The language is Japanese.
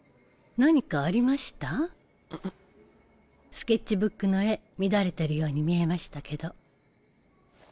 スケッチブックの絵乱れてるように見えましたけど。